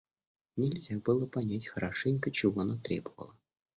Нельзя было понять хорошенько, чего она требовала.